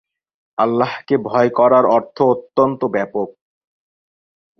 আল্লাহকে ভয় করার অর্থ অত্যন্ত ব্যাপক।